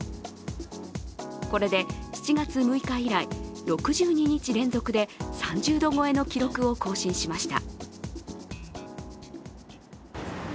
これで７月６日以来、６２日連続で３０度超えの記録を更新しました。